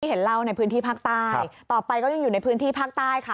เห็นเหล้าในพื้นที่ภาคใต้ต่อไปก็ยังอยู่ในพื้นที่ภาคใต้ค่ะ